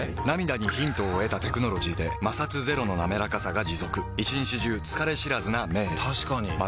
涙にヒントを得たテクノロジーで摩擦ゼロのなめらかさが持続一日中疲れ知らずな目へ確かに。